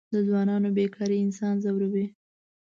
د ځوانانو بېکاري انسان ځوروي.